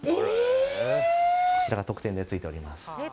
こちらが特典でついております。